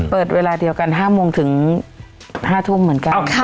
เวลาเดียวกัน๕โมงถึง๕ทุ่มเหมือนกัน